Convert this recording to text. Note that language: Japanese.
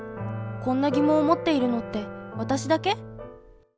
こんな疑問を持っているのって私だけ？